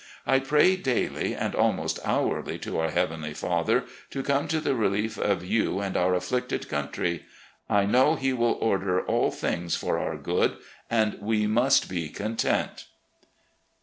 I pray daily and almost hourly to our Heavenly Father to come to the relief of you and our afflicted coun try. I know He will order all things for our good, and we must be content."